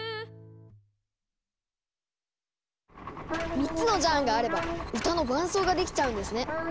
３つのジャーンがあれば歌の伴奏ができちゃうんですね。